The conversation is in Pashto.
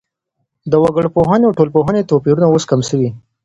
د وګړپوهني او ټولنپوهني توپيرونه اوس کم سوي دي.